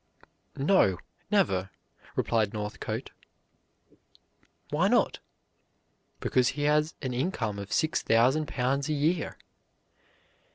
"No, never," replied Northcote. "Why not?" "Because he has an income of six thousand pounds a year."